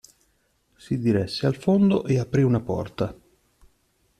Si diresse al fondo e aprì una porta.